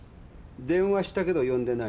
電話したけど呼んでないの？